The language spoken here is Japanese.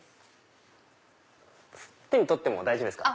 手に取っても大丈夫ですか？